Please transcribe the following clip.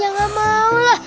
ya gak mau lah